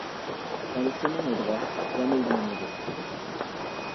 Quand le chemin est droit, jamais il n’est mauvais.